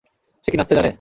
সে কি নাচতে জানে?